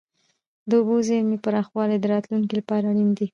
د اوبو زیرمې پراخول د راتلونکي لپاره اړین دي.